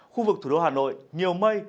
khu vực thủ đô hà nội nhiều mây